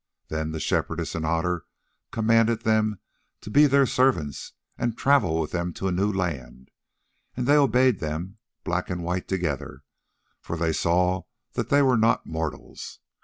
Then the Shepherdess and Otter commanded them to be their servants and travel with them to a new land, and they obeyed them, black and white together, for they saw that they were not mortals.